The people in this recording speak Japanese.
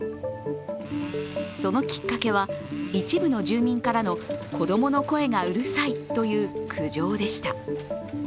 そのきっかけは、一部の住民からの子供の声がうるさいという苦情でした。